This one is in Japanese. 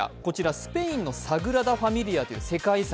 スペインのサグラダ・ファミリアという世界遺産。